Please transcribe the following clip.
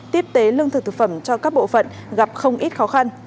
tiếp tế lương thực thực phẩm cho các bộ phận gặp không ít khó khăn